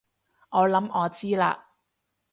我諗我知喇